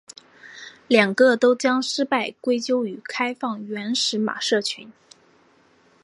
两个都将失败归咎于开放原始码社群。